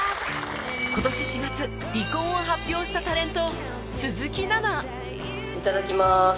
今年４月離婚を発表したタレント鈴木奈々いただきます。